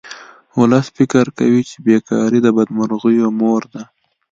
ولس فکر کوي چې بې کاري د بدمرغیو مور ده